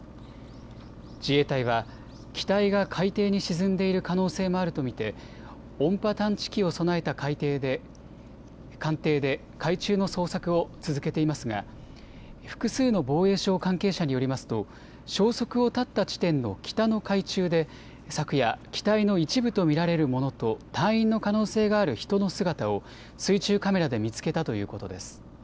自衛隊は機体が海底に沈んでいる可能性もあると見て音波探知機を備えた艦艇で海中の捜索を続けていますが複数の防衛省関係者によりますと消息を絶った地点の北の海中で昨夜、機体の一部と見られるものと隊員の可能性がある人の姿を水中カメラで見つけたということです。